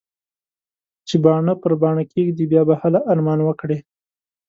چې باڼه پر باڼه کېږدې؛ بيا به هله ارمان وکړې.